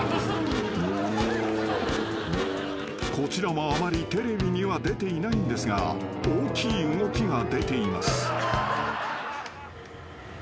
［こちらもあまりテレビには出ていないんですが大きい動きが出ています］